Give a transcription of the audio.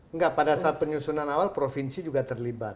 enggak pada saat penyusunan awal provinsi juga terlibat